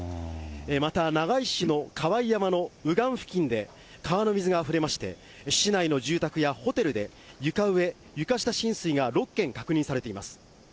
また長井市のかわいやまの右岸付近で、川の水があふれまして、市内の住宅やホテルで、床上、床下浸水が６軒確認されています。